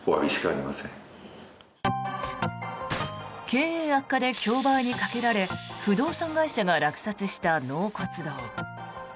経営悪化で競売にかけられ不動産会社が落札した納骨堂。